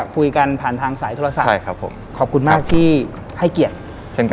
คุยกันผ่านทางสายโทรศัพท์ใช่ครับผมขอบคุณมากที่ให้เกียรติเช่นกัน